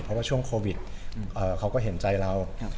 เพราะว่าช่วงโควิดเขาก็เห็นใจเรา